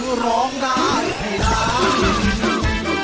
คือร้องได้ให้ร้าน